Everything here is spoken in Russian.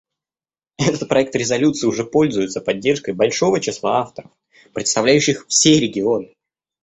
Этот проект резолюции уже пользуется поддержкой большого числа авторов, представляющих все регионы.